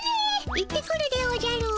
行ってくるでおじゃる。